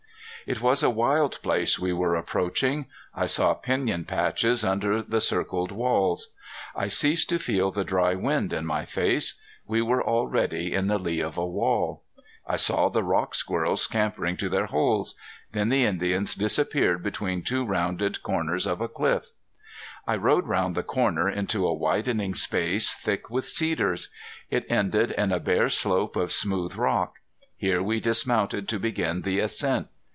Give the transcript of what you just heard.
It was a wild place we were approaching. I saw piñon patches under the circled walls. I ceased to feel the dry wind in my face. We were already in the lee of a wall. I saw the rock squirrels scampering to their holes. Then the Indians disappeared between two rounded corners of cliff. I rode round the corner into a widening space thick with cedars. It ended in a bare slope of smooth rock. Here we dismounted to begin the ascent.